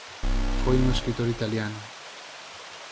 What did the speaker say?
Foi un escritor italiano.